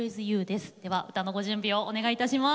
では歌のご準備をお願いいたします。